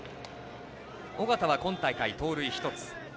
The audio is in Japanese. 緒方は今大会、盗塁１つ。